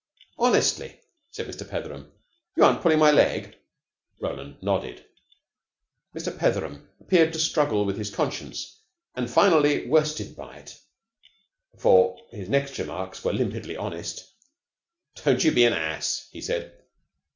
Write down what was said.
"Honestly?" said Mr. Petheram. "You aren't pulling my leg?" Roland nodded. Mr. Petheram appeared to struggle with his conscience, and finally to be worsted by it, for his next remarks were limpidly honest. "Don't you be an ass," he said.